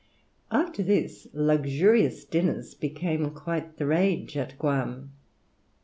After this, luxurious dinners became quite the rage at Guam.